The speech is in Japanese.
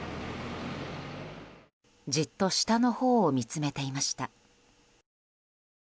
じっと、下のほうを見つめていました。